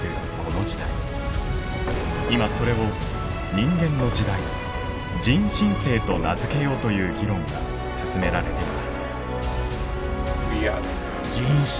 今それを人間の時代人新世と名付けようという議論が進められています。